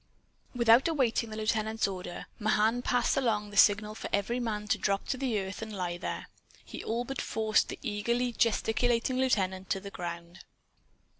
Without awaiting the lieutenant's order, Mahan passed along the signal for every man to drop to earth and lie there. He all but forced the eagerly gesticulating lieutenant to the ground.